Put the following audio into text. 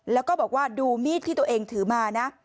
แล้วก็บอกว่าดูมีดที่ตัวเองถือมานะ